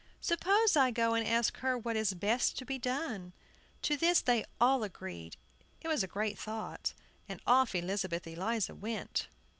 Suppose I go and ask her what is best to be done." To this they all agreed, it was a great thought, and off Elizabeth Eliza went.